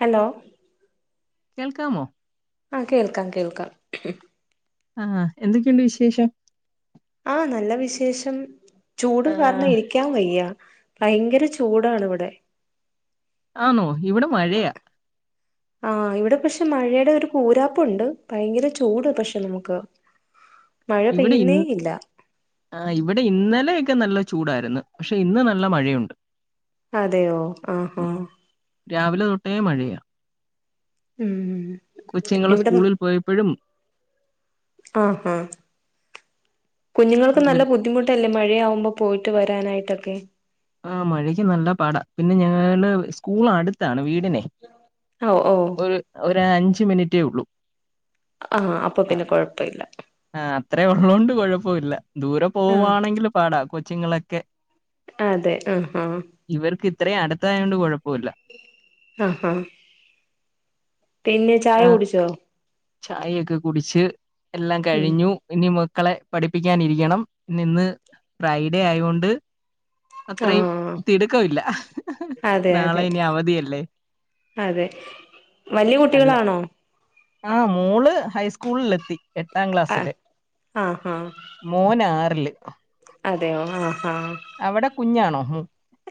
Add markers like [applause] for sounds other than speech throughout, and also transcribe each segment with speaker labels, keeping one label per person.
Speaker 1: Hello
Speaker 2: കേൾക്കാമോ
Speaker 1: ആഹ കേൾക്കാം കേൾക്കാം
Speaker 2: ആഹ എന്തൊക്കെയുണ്ട് വിശേഷം
Speaker 1: ആ നല്ല വിശേഷം ചൂട് കാരണം
Speaker 2: ആഹ്
Speaker 1: ഇരിക്കാൻ വയ്യാ ഭയങ്കര ചൂടാണ് ഇവിടെ
Speaker 2: ആണോ ഇവിടെ മഴയാ
Speaker 1: ആഹ ഇവിടെ പക്ഷെ മഴയുടെ ഒരു കൂരാപ്പുണ്ട് ഭയങ്കര ചൂട് പക്ഷെ നമുക്ക് മഴ
Speaker 2: ഇവിടെ ഇ
Speaker 1: പെയ്യുന്നേ ഇല്ല
Speaker 2: ആ ഇവിടെ ഇന്നലെ ഒക്കെ നല്ല ചൂടായിരുന്നു പക്ഷെ ഇന്ന് നല്ല മഴയുണ്ട്
Speaker 1: അതെയോ ആഹഹ
Speaker 2: ഉം രാവിലെ തൊട്ടേ മഴയാ
Speaker 1: ഉം ഉം
Speaker 2: കൊച്ചിങ്ങള്ൾ സ്കൂളിൽ പോയപ്പോഴും
Speaker 1: ആഹ ആ കുഞ്ഞുങ്ങൾക്ക് നല്ല
Speaker 2: വിൽ
Speaker 1: ബുദ്ധിമുട്ടല്ലേ മഴയാവുമ്പോ പോയിട്ട് വരാനായിട്ടൊക്കെ
Speaker 2: ആ മഴയ്ക്ക് നല്ല പാടാ പിന്നെ ഞങ്ങള് സ്കൂൾ അടുത്താണ് വീട്ട
Speaker 1: ഓ ഓ
Speaker 2: ഒരു ഒരു അഞ്ച് മിനിറ്റേ ഉള്ളൂ
Speaker 1: ആഹ അപ്പൊ പിന്നെ കൊഴപ്പ ഇല്ല
Speaker 2: അതേ ഉള്ളതൊണ്ട് കുഴപ്പമ ഇില്ല ദൂരെ
Speaker 1: ആ
Speaker 2: പോവുവാണെങ്കിൽ പാടാ കൊച്ചുങ്ങളൊക്കെ
Speaker 1: അതെ ആഹാ
Speaker 2: ഇവർക്ക് ഇത്രയും അടുത്തായ കൊണ്ട് കുഴപ്പമില്ല
Speaker 1: ആഹ ഹാ
Speaker 2: ആ ചായൊക്കെ കുടിച്ച് എല്ലാം
Speaker 1: ഉം
Speaker 2: കഴിഞ്ഞു ഇനി മ മക്കളെ പഠിപ്പിക്കാനിരിക്കണം ഇന്ന് ഫ്രൈഡേ ആയൊണ്ട് അത്രയും
Speaker 1: ആഹ്
Speaker 2: തിടുക്കമല്ല
Speaker 1: അതെ അതെ
Speaker 2: നാളെ ഇനി അവധിയിയല്ലേ
Speaker 1: അതെ വലിയ
Speaker 2: അല്ല
Speaker 1: കുട്ടികളാണോ
Speaker 2: ആ മോള് ഹൈസ്കൂളിൽ എത്തി എ് എട്ടാം
Speaker 1: ആഹ്
Speaker 2: ക്ലാസില്
Speaker 1: ആഹ് ആഹ്
Speaker 2: മോനാറില്ല്
Speaker 1: അതെയോ ആ
Speaker 2: അവിടെ കുഞ്ഞാണോ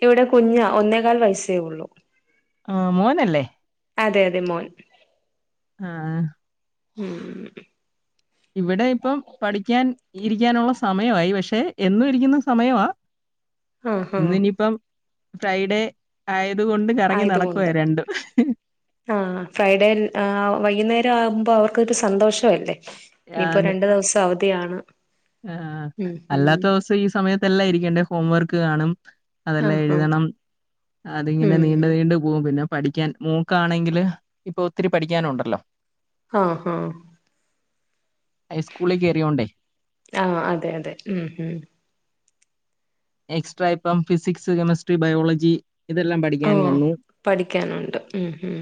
Speaker 1: ഇവിടെ കുഞ്ഞ ഒന്നേകാൽ വയസ്സേ ഉള്ളു
Speaker 2: ആഹ മോനല്ലേ
Speaker 1: അതെ അതെ മോൻ
Speaker 2: ആഹ
Speaker 1: ഉം
Speaker 2: ഇവിടെ ഇപ്പം പഠിക്കാൻ ഇരിക്കാനുള്ള സമയയി പക്ഷെ എന്നും ഇരിക്കുന്ന സമയമാ
Speaker 1: ആഹ്
Speaker 2: ഇന്ന
Speaker 1: ആഹ്
Speaker 2: ഇനിപ്പം ഫ്രൈഡേ ആയത്
Speaker 1: ആ ഇതുകൊണ്ട് ആഹ ഫ്രൈഡേ ആ വൈകുന്നേരം ആവുമ്പോൾ അവർക്ക്സന്തോഷല്ലേ ഇനിയിപ്പോ രണ്ടു ദിവസം അവധിയാണ്
Speaker 2: ആ
Speaker 1: ഉം
Speaker 2: അല്ലാത്ത ദിവസം ഈ സമയത്ത്ല്ല ഇരിക്കണ്ട ഹോം വർക്ക് കാണും
Speaker 1: ഉം
Speaker 2: അതെല്ലാം
Speaker 1: ആഹ് ആഹ്
Speaker 2: എഴുതണം അതിങ്ങനെ നീണ്ട
Speaker 1: ഉം
Speaker 2: നീണ്ടു പോകും പിന്നെ പഠിക്കാൻ മോൾക്കാണെങ്കില് ഇപ്പൊ ഒത്തിരി പഠിക്കാന ഉണ്ടല്ലോ
Speaker 1: ആഹ് ഹഹ
Speaker 2: ഹൈസ്കൂളിലേക്ക് കേറിയോണ്ടേ
Speaker 1: ആഹ അതെ അതെ ഉം ഉം
Speaker 2: എക്സ്ട്രാ ഇപ്പം ഫിസിക്സ് കെമിസ്ട്രി ബയോളജി ഇതെല്ലാം
Speaker 1: ആ
Speaker 2: പഠിക്കാൻ വന്നു.
Speaker 1: പഠിക്കാനുണ്ട് ഉം ഉം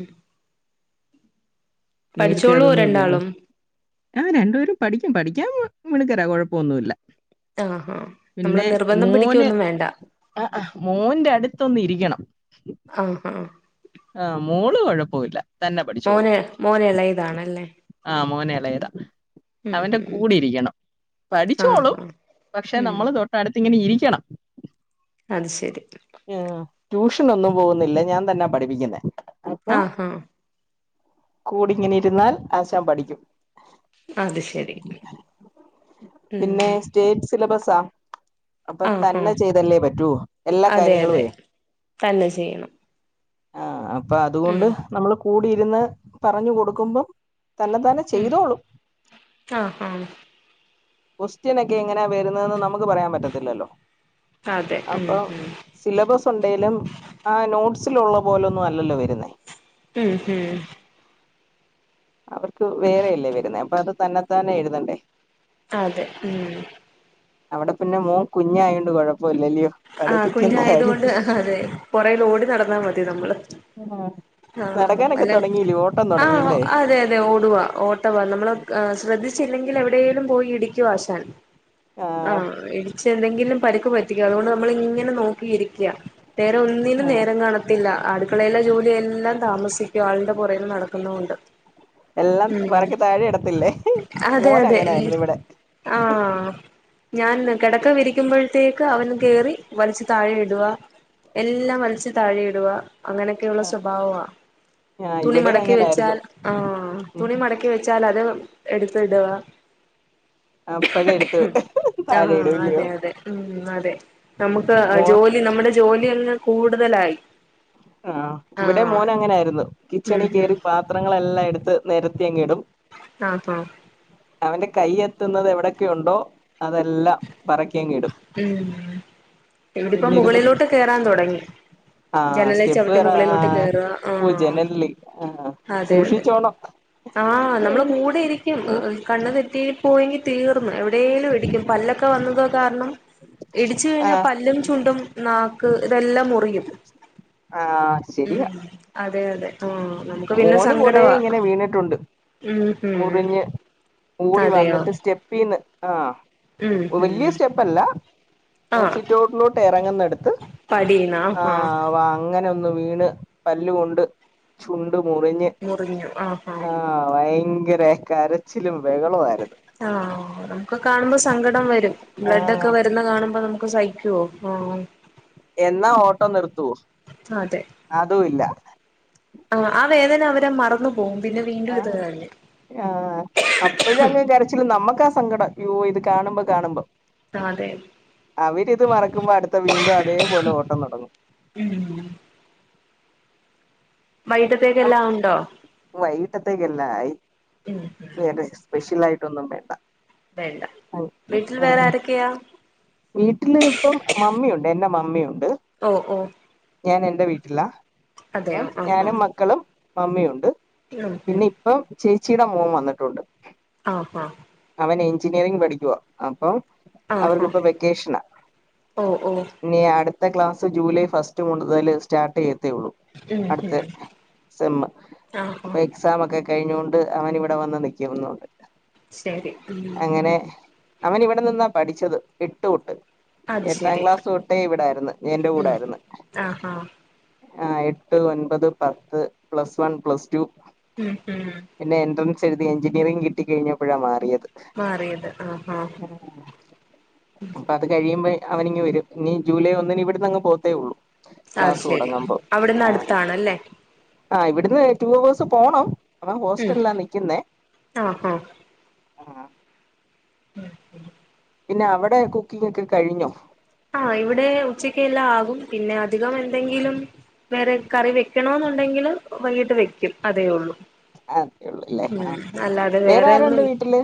Speaker 2: നേരത്തെ
Speaker 1: പഠിച്ചോളൂ
Speaker 2: അതൊന്നും ഇല്ലല്ലോ
Speaker 1: രണ്ടാളും
Speaker 2: രണ്ടുപേരും പഠിക്കും പഠിക്കാൻ മിടുക്കരാ കുഴപ്പൊന്നുല്ല
Speaker 1: ആഹാ നമ്മള്
Speaker 2: പിന്നെ
Speaker 1: നിർബന്ധം
Speaker 2: മോന്
Speaker 1: പിടിക്കൊന്നും വേണ്ട
Speaker 2: ആ മോന്റെ അടുത്ത് ത്തൊന്ന ഇരിക്കണം
Speaker 1: ആഹ ആഹ
Speaker 2: ആഹ് മോള് കൊഴപ്പമില്ല തന്നെ പഠിച്ചോളൂ
Speaker 1: മോന് മോന് എളയതാണല്ലേ
Speaker 2: ആഹ് മോനെ എളേതാ
Speaker 1: ഉം
Speaker 2: അവന്റെ
Speaker 1: ഉം
Speaker 2: കൂടെ ഇരിക്കണം പഠിച്ചോളും
Speaker 1: ആഹാ
Speaker 2: പക്ഷെ
Speaker 1: ഉം
Speaker 2: നമ്മൾ തൊട്ടടുത്ത് ഇങ്ങനെ ഇരി റിക്കണം
Speaker 1: അത് ശെരി
Speaker 2: ട്യൂഷൻ ഒന്നും പോകുന്നില്ല ഞാൻ തന്നെ പഠിപ്പിക്കുന്നത്
Speaker 1: ആഹ് ആഹ
Speaker 2: കൂടിങ്ങനെ ഇരുന്നാൽ ആസാം പഠിക്കും
Speaker 1: അത് ശരി ഉം
Speaker 2: സിലബസ ആ അപ്പൊ
Speaker 1: ആഹാ
Speaker 2: തന്നെ ചെയ്തല്ലേ പറ്റോ എല്ലാ
Speaker 1: അതെ
Speaker 2: കാര്യങ്ങളോ
Speaker 1: അതെ തന്നെ ചെയ്യണം
Speaker 2: അപ്പൊ അതുകൊണ്ട്
Speaker 1: ഉം
Speaker 2: നമ്മള് കൂടിയിരുന്ന് പറഞ്ഞു കൊടുക്കുമ്പം തന്നെ തന്നെ
Speaker 1: ഉം
Speaker 2: ചെയ്തോളൂ
Speaker 1: ആഹാ
Speaker 2: ക്വസ്റ്റ്യൻൊക്കെ എങ്ങനാ വരുന്നതെന്ന് നമുക്ക് പറയാൻ പറ്റത്തില്ലല്ലോ
Speaker 1: അതെ ഉം
Speaker 2: അപ്പൊ
Speaker 1: ഉം
Speaker 2: സിലബസ് ഉണ്ടെിലും ആ നോട്ടസ് സിലുള്ള പോലൊന്നും അല്ലല്ലോ വരുന്നേ
Speaker 1: [unintelligible]
Speaker 2: അവർക്ക് വേറെയല്ലേ വരുന്നത്േ അപ്പൊ അത് തന്നെ താനെഎഴതണ്ടേ
Speaker 1: അതെ ഉം
Speaker 2: അവിടെ പിന്നെ മോൻ കുഞ്ഞായൊണ്ട് കുഴപ്പം
Speaker 1: ആഹ കുഞ്ഞയത കൊണ്ട് അതെ പുറൽ ഓടി നടന്നാൽ മതി നമ്മള്
Speaker 2: ആ
Speaker 1: ആഹ്
Speaker 2: നടക്കാനൊക്കെ
Speaker 1: അല്ല
Speaker 2: തുടങ്ങീലേ ഓട്ടം
Speaker 1: ആഹ്
Speaker 2: തുടങ്ങില്ലേ
Speaker 1: അതെ അതെ ഓടവാ ഓട്ടവാ നമ്മൾ ശ്രദ്ധിച്ചില്ലെങ്കിൽ എവിടെേലും പോയി ഇടിക്കുവാശൻ
Speaker 2: ആഹ്
Speaker 1: ആഹ ഇടച്ച് എന്തെങ്കിലും പരുക്ക് പറ്റിക്കോ അതുകൊണ്ട് നമ്മൾ ഇങ്ങനെ നോക്കിയിരിക്കയാ നേരം ഒന്നിനും നേരം കാണത്തില്ല അടുക്കളെല്ല ജോലിയല്ല എല്ലാം താമസിക്കും ആളുടെ പുറൽ നടക്കുന്നൊണ്ട്
Speaker 2: എല്ലാം
Speaker 1: ഉ
Speaker 2: പറക്കി താഴെ ഇടത്തില്ലേ
Speaker 1: അതെ
Speaker 2: മോൻ
Speaker 1: അതെ
Speaker 2: അങ്ങനായിരുന്നു ഇവിടെ
Speaker 1: ആഹ ഞാൻ കിടക്ക വിരിക്കുമ്പോഴത്തേക്ക് അവൻ കേറി വലിച്ച് താഴെ ഇടവാ എല്ലാം വലച്ച് താഴെ ഇടവാ അങ്ങനെയൊക്കെയള്ള സ്വഭാവവാ
Speaker 2: ആഹ് ഇവിടെ
Speaker 1: തുണിമടക്കി
Speaker 2: അങ്ങനായിരുന്നു
Speaker 1: വെച്ചാൽ ആ
Speaker 2: ഉം
Speaker 1: തുണിമടക്കി വെച്ചാൽ അ എടുത്ത ഇടുവാ
Speaker 2: അപ്പഴേ എടുത്ത് താഴെ
Speaker 1: ആഹ്
Speaker 2: ഇടും ഇല്ലയോ
Speaker 1: അതെ അതെ ഉം അതെ നമുക്ക്
Speaker 2: മോൻ
Speaker 1: ജോലി നമ്മുടെ ജോലി അല്ലെ കൂടുതലായി
Speaker 2: ആ് ഇവിടെ
Speaker 1: ആഹ്
Speaker 2: മോന അങ്ങനെ ആയിരുന്നു
Speaker 1: ഉം
Speaker 2: കിച്ചണിൽ
Speaker 1: ഉം
Speaker 2: കയറി പാത്രങ്ങളെല്ലാം എടുത്ത് നിരത്തി അങ്ങെ ഇടും
Speaker 1: ആഹ ആഹ
Speaker 2: അവൻന്റെ കൈ എത്തുന്നത് എവിടെയക്കെ ഉണ്ടോ അതെല്ലാം പറക്കിയങ്ങി ഇടും
Speaker 1: ഉം ഇവിടിപ്പോ മുകളിലോട്ട് കേയറാൻ തുടങ്ങി
Speaker 2: ആ
Speaker 1: ജന
Speaker 2: സ്റ്റെപ്പ്
Speaker 1: ചവിട്ട
Speaker 2: കേറാ ആ
Speaker 1: മുകളിലോട്ട് കേയറുക
Speaker 2: ഓ ജനലില്
Speaker 1: ആ അതെ അതെ
Speaker 2: സൂക്ഷിച്ചോണം
Speaker 1: ആഹ നമ്മള്
Speaker 2: കൈക്കൂ
Speaker 1: കൂടെ ഇരിക്കും കണ്ണു തെറ്റിയിൽ പോയെങ്കി തീർന്ന് എവിടെേലും ഇടിക്കും പല്ലൊക്കെ വന്നത് കാരണം ഇടിച്ചു
Speaker 2: ആ
Speaker 1: കഴിഞ്ഞാൽ പല്ലും ചുണ്ടും ഇതെല്ലാം മുറിയും
Speaker 2: ആ
Speaker 1: ഉ
Speaker 2: ശരിയാ
Speaker 1: അതെ അതെ ആഹ് നമുക്ക് പിന്നെ
Speaker 2: മോന് കൊറ
Speaker 1: സങ്കടവാ
Speaker 2: ഇങ്ങനെ വീണിട്ടുണ്ട്
Speaker 1: ഉം ഉം
Speaker 2: മുറിഞ്ഞ് ഓടി
Speaker 1: അതെയോ
Speaker 2: വന്നിട്ട് സ്റ്റെപ്പീന്ന് ആ
Speaker 1: ഉം ഉം
Speaker 2: വലിയ സ്റ്റെപ്പല്ല
Speaker 1: ആഹ്
Speaker 2: സിറ്റോട്ടിലോട്ട് ഇറങ്ങുന്ന എടുത്ത്
Speaker 1: പടീന്നാ ആഹ്
Speaker 2: ആ് അങ്ങനെ വീണ് പല്ല് കൊണ്ട് ചുണ്ട് മുറിഞ്
Speaker 1: മുറിഞ്ഞു ആഹ് ആഹ്
Speaker 2: ആ ഭയങ്കര കരച്ചിലും വികളുമായിരുന്നു
Speaker 1: ആഹ നമുക്ക് കാണുമ്പോ സങ്കടം വരും
Speaker 2: ആ
Speaker 1: ബ്ലഡ് ഒക്കെ വരുന്ന കാണുമ്പോ നമുക്ക് ഒ സഹിക്കുവോ ആ
Speaker 2: എന്നാ ഓട്ടോ നിർത്തുവോ അതും ഇല്ല
Speaker 1: ആ ആ വേദന അവരെ മറന്ന
Speaker 2: ആ ആഹ അപ്പഴും അങ്ങ് കരച്ചില് നമ്മുക്ക്ാസങ്കടം അ്യോ ഇത് കാണുമ്പോൾ കാണുമ്പോ
Speaker 1: അതെ
Speaker 2: അവര് ഇത് മറക്കുമ്പോ അടുത്ത വീണ്ടും അതേപോലെ ഓട്ടം തുടങ്ങും
Speaker 1: ഉം അത്തേക്കെല്ലാം ഉണ്ടോ
Speaker 2: വൈകട്ടത്തേക്കല്ല ആയി
Speaker 1: ഉം ഉം
Speaker 2: വേറെ സ്പെഷ്യൽ ആയിട്ടൊന്നും വേണ്ട
Speaker 1: വെണ്ട വീട്ടിൽ വേറെ ആരൊക്കെയാ
Speaker 2: വീട്ടില് ഇപ്പം മമ്മിയുണ്ട് എറെ മമ്മിയുണ്ട്
Speaker 1: ഓ ഓ
Speaker 2: ഞാൻ എന്റെ വീട്ടിലാ അപ്പം
Speaker 1: അതെയോ ആഹ്
Speaker 2: ഞാനും
Speaker 1: ആഹ്
Speaker 2: മക്കളും മമ്മിയുണ്ട്
Speaker 1: ഉം ഉം
Speaker 2: പിന്നെ ഇപ്പം ചേച്ചിയുടെ മോൻ വന്നിട്ടുണ്ട്
Speaker 1: ആഹോ
Speaker 2: അവൻ എഞ്ചിനീയറിംഗ് പഠിക്കവാ അപ്പൊ
Speaker 1: ആഹോ
Speaker 2: ഇപ്പൊ വെക്കേഷന ഇനി അടുത്ത ക്ലാസ് ജൂലൈ ഫസ്റ്റ് കൂടുതൽ സ്റ്റാർട്ട് ചെയ്ന്നു
Speaker 1: ഉം
Speaker 2: അടുത്ത
Speaker 1: ഉം
Speaker 2: സെമ്മു
Speaker 1: ആഹ് ആഹ്
Speaker 2: അപ്പൊ എക്സാം ഓക്ക് കഴിഞ്ഞോൊണ്ട് അവൻ ഇവിടെ വന്ന് നിൽക്കുന്നുൊണ്ട്
Speaker 1: ശരി ഉ
Speaker 2: അവൻ ഇവിടെ നിന്നാ പഠിച്ചത് ഇട്ടൊട്ട്
Speaker 1: അത്
Speaker 2: എട്ടാം
Speaker 1: ശരി
Speaker 2: ക്ലാസ്സ് തൊട്ടേ ഇവിടായിരുന്നു എറെ
Speaker 1: ഉം
Speaker 2: കൂടായിരുന്നു
Speaker 1: ആഹ് ആഹ്
Speaker 2: ആ എട്ട് ഒൻപത് പത്ത് പ്ലസ് വൺ പ്ലസ് ടു
Speaker 1: ഉം ഉം
Speaker 2: പിന്നെ എൻട്രൻസ് ത് എഞ്ചിനിയറി കിട്ടിഴിഞ്ഞപ്പോഴാറിയത്
Speaker 1: മാറിയത് ആഹഹാ
Speaker 2: അപ്പൊ അത് കഴിയുമ്പോ അവനിങ്ങി വരും ഇനി ജൂലൈ ഒന്നിന് ഇവിടുന്ന് അങ്ങ് പോത്തേ ഉള്ളൂ
Speaker 1: അത്
Speaker 2: ക്ലാസ്സ്
Speaker 1: ശരി
Speaker 2: തുടങ്ങ്പോ
Speaker 1: അവിടുന്ന്
Speaker 2: ആ
Speaker 1: അടുത്താണല്ലേ
Speaker 2: ആ് ഇവിടുന്ന് ടു അവേഴസ് പോണം അവ
Speaker 1: ഉം
Speaker 2: ഹോസ്റ്റലിലാ നിക്കുന്നേ
Speaker 1: ആഹ് ആഹ്
Speaker 2: ആ
Speaker 1: ഉ
Speaker 2: പിന്നെ അവിടെ കുക്കിംഗ ഒക്കെ കഴിഞ്ഞു
Speaker 1: ആഹ് ഇവിടെ ഉച്ചക്ക് എല്ലാം ആകും പിന്നെ അധികം എന്തെങ്കിലും വേറെ കറി വെക്കണ എന്നുണ്ടെങ്കിൽ വൈകിട്ട് വെക്കും അതേ ഉള്ളൂ
Speaker 2: ആ അത്രേ ഉള്ളൂ അല്ലേ
Speaker 1: ഉ
Speaker 2: ആ
Speaker 1: അല്ല അത
Speaker 2: വേറെ
Speaker 1: വേറെയന്നും
Speaker 2: ആരുണ്ട് വീട്ടില്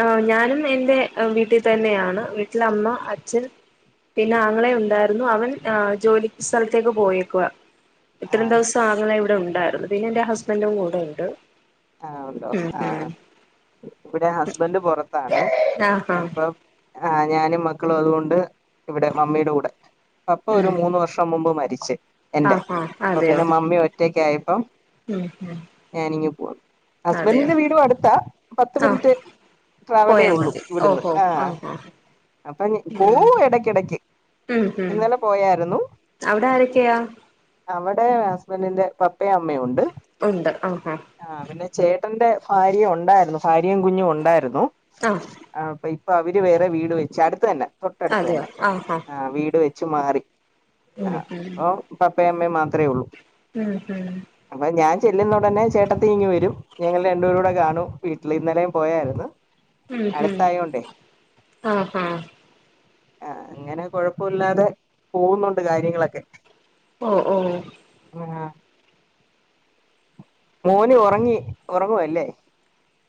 Speaker 1: ആ ഞാനും എൻറെ വീട്ടിൽ തന്നെയാണ് വീട്ടില അമ്മ അച്ഛൻ പിന്നെ ആങ്ങളെ ഉണ്ടായിരുന്നു അവൻ ആ ജോലി സ്ഥലത്തേക്ക് പോയിയേക്കുക
Speaker 2: ആ
Speaker 1: ഇത്രയും ദിവസം ആങ്ങനെ ഇവിടെ ഉണ്ടായിരുന്നു പിന്നെ എന്റെ ഹസ്ബൻറും കൂടെ ഉണ്ട്
Speaker 2: ആഹ ഉണ്ടോ
Speaker 1: ഉം
Speaker 2: ആഹ
Speaker 1: ഉം
Speaker 2: ഇപ്പടെ ഞൻ ഹസ്ബൻഡ് പുൊറത്താണേ
Speaker 1: ആഹ് ആഹ്
Speaker 2: അപ്പൊ ആ് ഞാനും മക്കളും അതുകൊണ്ട് ഇവിടെ മമ്മിയുടെ കൂടെ അപ്പ ഒരു
Speaker 1: ഉം
Speaker 2: മൂന്ന് വർഷം മുമ്പ് മരിക്ക എന്റെറെ
Speaker 1: ആഹ് ആഹ്
Speaker 2: അപ്പൊ പിന്നെ
Speaker 1: അതെയോ
Speaker 2: മമ്മി ഒറ്റക്ക ആയി
Speaker 1: ഉം ഹം
Speaker 2: ഹസ്ബൻറിിന്റെ വീടും അടുത്താ പത്ത്
Speaker 1: ആഹ്
Speaker 2: മിനിറ്റ് ട്രാവലേ
Speaker 1: പോയാ
Speaker 2: ഉള്ളു
Speaker 1: മതി
Speaker 2: ഇവിടുന്ന്
Speaker 1: ഓഹോ
Speaker 2: ആഹ
Speaker 1: ആഹ് ആഹ്
Speaker 2: അപ്പൊ പോ
Speaker 1: ഉം
Speaker 2: ഇടക്കിടക്ക്
Speaker 1: ഉം ഹം
Speaker 2: ഇന്നലെ പോയായിരുന്നു
Speaker 1: അവിടെ ആരൊക്കാ
Speaker 2: അവിടെ ഹസ്ബൻഡിന്റെ പപ്പയും അമ്മയും ഉണ്ട്
Speaker 1: ഉണ്ട് ആഹ് ആഹ്
Speaker 2: ആ പിന്നെ ചേട്ടന്റെ ഭാര്യ ഉണ്ടായിരുന്നു ഭാര്യയും കുഞ്ഞും ഉണ്ടായിരുന്നു
Speaker 1: ആഹ്
Speaker 2: ആ അപ്പൊ ഇപ്പൊ അവര് വേറെ വീട് വെച്ച അടുത്ത തന്നെ തൊട്ടടുത്ത്
Speaker 1: അതെയോ
Speaker 2: തന്നെ
Speaker 1: ആഹ് ആഹ്
Speaker 2: ആ വീട് വെ മാറി ആ
Speaker 1: ഉം ഉം
Speaker 2: അ പപ്പ അമ്മേ മാത്രമേ ഉള്ളൂ
Speaker 1: ഉം ഹം
Speaker 2: അപ്പൊ ഞാൻ ചെല്ലുന്ന ഉടനെ ചേട്ടത്തി ഇങ്ങി വരും ഞങ്ങൾ രണ്ടും കൂടെ കാണും വീട്ടിൽ ഇന്നലും പോയായിരുന്നു
Speaker 1: ഉം ഹം
Speaker 2: അടുത്തായോണ്ടേ
Speaker 1: ആഹ് ഹ
Speaker 2: ആ അങ്ങനെ കൊഴപ്പമില്ലാതെ പോകുന്നുണ്ട് കാര്യങ്ങളൊക്കെ
Speaker 1: ഓ ഓ
Speaker 2: ആഹ് മോന് ഉറങ്ങി ഉറങ്ങുവല്ലേ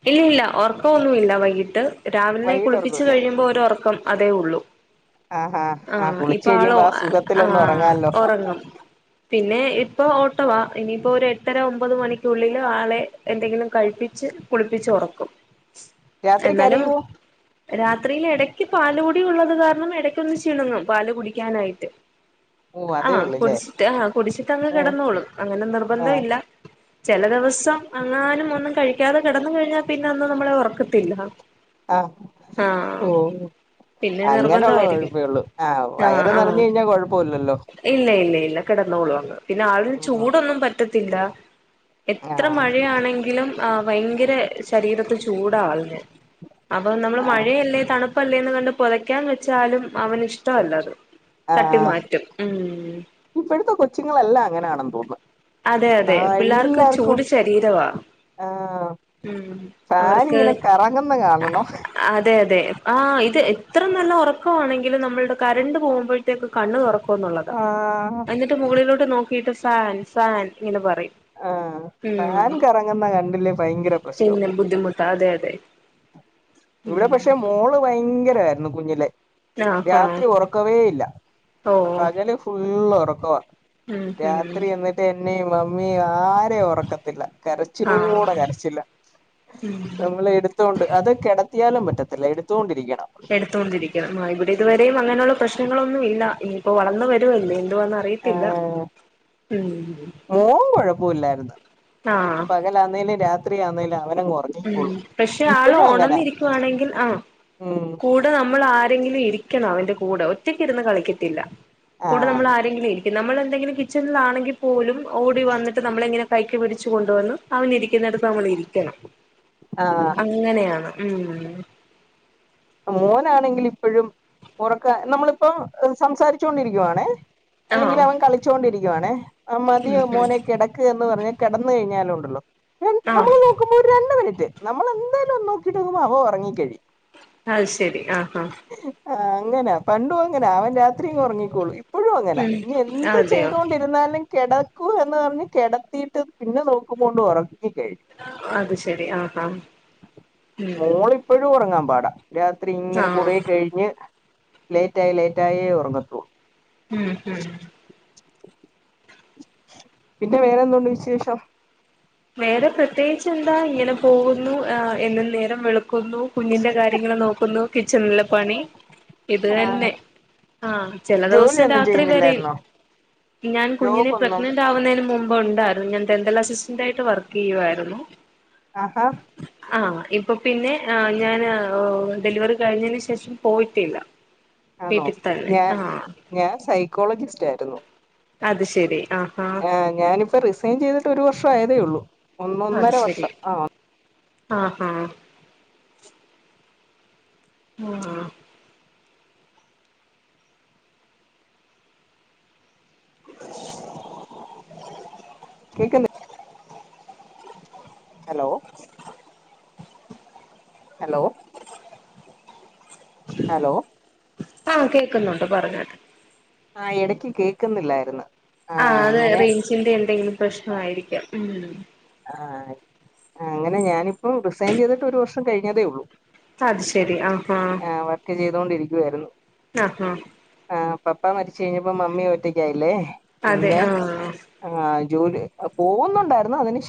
Speaker 1: ഇല്ല ഇല്ല ഉറക്കന്നുമില്ല വൈകിട്ട് രാവിലിനെ
Speaker 2: വൈകിട്ട്
Speaker 1: കുളിപ്പിച്ച്
Speaker 2: ഉറങ്ങൂല്ലേ
Speaker 1: കഴിയുമ്പോ ഒരോറക്കം അതേ ഉള്ളൂ
Speaker 2: ആഹാ ആഹ്
Speaker 1: ആഹ
Speaker 2: കുളിച്ച്
Speaker 1: ഇപ്പൊ ആളോ
Speaker 2: കഴിയുമ്പോ ആ സുഖത്തിലൊന്ന്
Speaker 1: ആഹ്
Speaker 2: ഉറങ്ങാല്ലോ
Speaker 1: ഉറങ്ങും പിന്നെ ഇപ്പൊ ഓട്ടവ ഇനിയിപ്പോ ഒരു എട്ടര ഒമ്പത് മണിക്കുള്ളില ആളെ എന്തെങ്കിലും കഴിപ്പിച്ച് കുളിപ്പിച്ച് ഉറക്കും
Speaker 2: രാത്രി കരിയും
Speaker 1: രാത്രിയിൽ ഇടക്ക് പാല് കൂടി ഉള്ളത് കാരണം ഇടയ്ക്കൊന്ന് ചുണുങ്ങും പാല് കുടിക്കാനായിട്ട്
Speaker 2: ഓ അതേ
Speaker 1: ആഹ്
Speaker 2: ഉള്ളൂല്ലേ
Speaker 1: കുടിച്ചിട്ട് ആഹ് കുടിച്ചിട്ട് അങ്ങ്
Speaker 2: ആഹ്
Speaker 1: കിടന്നോളും അങ്ങനെ നിർബന്ധം
Speaker 2: ആഹ്
Speaker 1: ഇല്ല ചില ദിവസം അങ്ങാനും ഒന്നും കഴിക്കാതെ കിടന്ന കഴിഞ്ഞാൽ പിന്നെ അന്നും നമ്മളെ ഉറക്കത്തില്ല
Speaker 2: ആഹ് ഓ
Speaker 1: പിന്നെ
Speaker 2: അങ്ങനെയുള്ള
Speaker 1: നിർബന്ധമായിരിക്കും
Speaker 2: കുഴപ്പേള്ളു ആഹ
Speaker 1: ആഹ്
Speaker 2: വയറ്
Speaker 1: ആഹ്
Speaker 2: നിറഞ്ഞ് കഴിഞ്ഞാ കൊഴപ്പിമല്ലല്ലോ
Speaker 1: കിടന്നോളു അങ്ങ് പിന്നെ ആള് ചൂടൊന്നും പറ്റത്തില്ല എത്ര മഴയാണെങ്കിലും ആ ഭയങ്കര ശരീരത്ത് ചൂട് ആള്ഞ്ഞ് അപ്പൊ നമ്മള്
Speaker 2: ആഹ്
Speaker 1: മഴയല്ലേ തണുപ്പല്ലേന്ന് കണ്ട് പുതയ്ക്കാന്ന് വെച്ചാലും അവന് ഇഷ്ടമല്ലത് തട്ടി
Speaker 2: ആഹ്
Speaker 1: മാറ്റും ഉം
Speaker 2: ഇപ്പോഴത്തെ കൊച്ചുങ്ങളെല്ലാം അങ്ങനെയാണെന്ന് തോന്നുന്നു
Speaker 1: അതെ അതെ
Speaker 2: ആഹ്
Speaker 1: പിള്ളേർക്ക്
Speaker 2: എല്ലാർക്കും
Speaker 1: ചൂട് ശരീരവാ
Speaker 2: ആഹ്
Speaker 1: ഉ
Speaker 2: ഫാൻ
Speaker 1: അവർക്ക്
Speaker 2: ഇങ്ങനെ കറങ്ങുന്ന കാണണം
Speaker 1: അതെ അതെ ആ ഇത് എത്ര നല്ല ഉറക്കമാണെങ്കിലും നമ്മളുടെ കറണ്ട് പോകുമ്പോഴത്തേക്കെ കണ്ണ് തുറക്കും താ
Speaker 2: ആഹ്
Speaker 1: എന്നിട്ട് മുകളിലോട്ട് നോക്കിട്ട് ഫാൻ ഫാൻ ഇങ്ങനെ പറയും ഉ
Speaker 2: ആഹ് ഫാൻ കറങ്ങുന്ന കണ്ടില്ലേ ഭയങ്കര പ്രശ്നം
Speaker 1: പിന്നെ ബുദ്ധിമുട്ട അതെ അതെ
Speaker 2: ഇവിടെ
Speaker 1: ഉം
Speaker 2: പക്ഷെ മോള് ഭയങ്കരമായിരുന്നു കുഞ്ഞിലെ
Speaker 1: ആഹാ
Speaker 2: രാത്രി ഉറക്കവേ ഇല്ല
Speaker 1: ഓ
Speaker 2: പകല് ഫുളള് ഉറക്കവാ
Speaker 1: ഉം ഉം
Speaker 2: രാത്രി എന്നിട്ട് എന്നെയും അമ്മിയെയും ആരെയും ഉറക്കത്തില്ല കരച്ചിലൂടെ
Speaker 1: ആഹ്
Speaker 2: കരച്ചില്ല
Speaker 1: ഉം
Speaker 2: നമ്മൾ എടുത്തൊണ്ട് അത് കിട എത്തിയാലും പറ്റത്തില്ല എടുത്തൊണ്ടിരിക്കാണ്
Speaker 1: എടുത്തുകൊണ്ടിരിക്കണം ആ ഇവിടെ ഇതുവരെയും അങ്ങനെയുള്ള പ്രശ്നങ്ങളൊന്നും ഇല്ല ഇനിയിപ്പോ വളർന്ന് വരുവല്ലേ എന്തുവാന്ന് അറിയത്തില്ല
Speaker 2: ആഹ്
Speaker 1: ഉം
Speaker 2: മോൻ കൊഴപ്പവല്ലായിരുന്ന
Speaker 1: ആഹ്
Speaker 2: പകലാന്നേലും രാത്രി ആന്നേലും
Speaker 1: ഉം പക്ഷെ ആള്
Speaker 2: അങ്ങനാ
Speaker 1: ഓണന്നിരിക്കുവാണെങ്കിൽ ആഹ്
Speaker 2: ഉം
Speaker 1: കൂടെ നമ്മൾ ആരെങ്കിലും ഇരിക്ക കളോ അവന്റെ കൂടെ ഒറ്റക്ക് ഇരുന്ന് കളിക്കത്തില്ല കൂടെ
Speaker 2: ആഹ്
Speaker 1: നമ്മൾ ആരെങ്കിലും ഇരിക്കുണം നമ്മളെന്തെങ്കിലും കിച്ചണിലാണെങ്കിൽ പോലും ഓടി വന്നിട്ട് നമ്മള എങ്ങനെ കൈക്ക് പിടിച്ച് കൊണ്ടുവന്ന് അവനിരിക്കുന്നിടുത്ത് നമ്മൾ ഇരിക്കണം
Speaker 2: ആഹ്
Speaker 1: അങ്ങനെയാണ് ഉം
Speaker 2: മോനാണെങ്കിൽ ഇപ്പോഴും ഉറക്ക നമ്മളിപ്പോ സംസാരിച്ചുണ്ടിരിക്കവാണേ അല്ലെങ്കിൽ
Speaker 1: ആഹ്
Speaker 2: അവൻ കളിച്ചോണ്ടിരിക്കുവാണേ ആ മതി
Speaker 1: ഉം ഉം
Speaker 2: മോനെ കിടക്ക് എന്ന് പറഞ്ഞ കിടന്ന് കഴിഞ്ഞാലുംണ്ട്
Speaker 1: ആഹ്
Speaker 2: നമ്മൾ നോക്കുമ്പോ രണ്ട് മിനിറ്റ് നമ്മൾ എന്തായാലും ഒ നോക്കിട്ട് നങ്ങുമ്പോ അവൻ ഉറങ്ങി കഴിയും
Speaker 1: അഹ ശരി ആഹഹ
Speaker 2: ആ അങ്ങനെ പണ്ടും അങ്ങനെ അവൻ രാത്രിയും ഉറങ്ങിക്കോളൂ ഇപ്പോഴും അങ്ങനെ
Speaker 1: ഉം
Speaker 2: ഇനി എന്ത്
Speaker 1: അതെയോ
Speaker 2: ചെയ്തൊണ്ടിരുന്നാലും കിടക്കുവാന്നു പറഞ്ഞ് കിടത്തിയിട്ട് പിന്നെ നോക്കുമ്പോണ്ട് ഒറ ങ്ങി കഴിഞ്ഞ്
Speaker 1: അത് ശരി ആഹ് ആഹ് ഉം
Speaker 2: മോളിപ്പഴും ഒറങ്ങാൻ പാടാ രാത്രി ഇങ്ങനെ
Speaker 1: ആഹ്
Speaker 2: കുറേ കഴിഞ്ഞ് ലേറ്റായി ലേറ്റായേ ഉറങ്ങത്തുവൊള്ളൂ
Speaker 1: ഇഹ് ഹിം
Speaker 2: പിന്നെ വേറെന്തോണ്ട് വിശേഷം?
Speaker 1: വേറെ പ്രത്യേകിച്ച് എന്താ ഇങ്ങനെ പോകുന്നു ആഹ് എന്നും നേരം വെളു ക്കുന്നു കുഞ്ഞിന്റെ കാര്യങ്ങള് നോക്കുന്നു കിച്ചണിലെ പണി ഇത്
Speaker 2: ആ
Speaker 1: തന്നെ ആഹ് ചില ദിവസം
Speaker 2: ജോലിയൊന്നും
Speaker 1: രാത്രി വരേ
Speaker 2: ചെയ്യുന്നില്ലായിരുന്നോ
Speaker 1: ഞാൻ കുഞ്ഞിനെ
Speaker 2: ജോബ് ഒന്നും
Speaker 1: പ്രഗ്നന്റ് ആവുന്നതിന് മു മ്പൊണ്ടായിരുന്നു ഞാൻ ഡെന്റൽ അസിസ്റ്റന്റ് ആയിട്ട് വർക്ക് ചെയ്യുവായിരുന്നു.
Speaker 2: ആഹ് ഹാ.
Speaker 1: ആഹ് ഇപ്പൊ പിന്നെ ഞാൻ ഡെലിവറി കഴിഞ്ഞതിന് ശേഷം പോയിട്ടില്ല.
Speaker 2: ആന്നോ
Speaker 1: വീട്ടിൽ തന്നെ
Speaker 2: ഞാൻ
Speaker 1: ആഹ്
Speaker 2: ഞാൻ സൈക്കോളജിസ്റ്റ് ആരുന്നു.
Speaker 1: അത് ശെരി.
Speaker 2: ആ ഞാനിപ്പ റിസൈൻ ചെയ്തിട്ട് ഒരു വർഷം ആയതേ ഉള്ളൂ ഒന്നൊന്നര വർഷം ആഹ്.
Speaker 1: ആഹ് ഹ. ആഹ്.
Speaker 2: [unintelligible] ഹലോ. ഹലോ ഹലോ
Speaker 1: ആഹ് കേക്കുന്നുണ്ട് പറഞ്ഞാട്ട്.
Speaker 2: ആഹ് എടക്ക് കേക്കുന്നില്ലായിരുന്നു.
Speaker 1: ആഹ് അത് റേഞ്ചിന്റെ എന്തെങ്കിലും പ്രശ്നമായിരിക്കാം ഉം.
Speaker 2: ആഹ് ആഹ് അങ്ങനെ ഞാനിപ്പോം റിസൈൻ ചെയ്തിട്ട് ഒരുവർഷം കഴിഞ്ഞതേ ഉള്ളൂ.
Speaker 1: അത് ശെരി ആഹാ.
Speaker 2: ണ്ടോണ്ടിരിക്കുവായിരുന്നു.
Speaker 1: ആഹ് ഹ.
Speaker 2: ആഹ് പപ്പ മരിച്ച് കഴിഞ്ഞപ്പോ മമ്മി ഒറ്റക്കായില്ലേ
Speaker 1: അതെ
Speaker 2: പിന്നെ
Speaker 1: ആഹ്
Speaker 2: ആഹ്. ജോലി പോകുന്നുണ്ടായിരുന്നു അതിന് ശേ